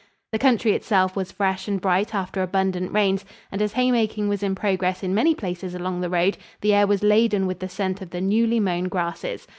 The country itself was fresh and bright after abundant rains, and as haymaking was in progress in many places along the road, the air was laden with the scent of the newly mown grasses.